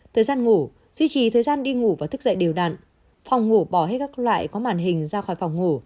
thời gian ngủ duy trì thời gian đi ngủ và thức dậy đều đặn phòng ngủ bỏ hết các loại có màn hình ra khỏi phòng ngủ